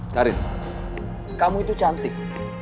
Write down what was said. karin kamu itu cantik